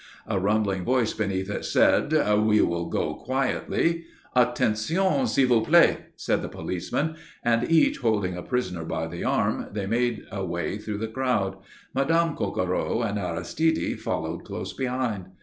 A rumbling voice beneath it said: "We will go quietly." "Attention s'il vous plaît," said the policemen, and each holding a prisoner by the arm they made a way through the crowd. Madame Coquereau and Aristide followed close behind.